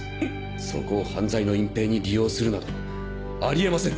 そこを犯罪の隠ぺいに利用するなどあり得ません。